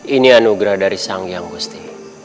ini anugerah dari sang yang gusti